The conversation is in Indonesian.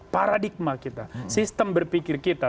paradigma kita sistem berpikir kita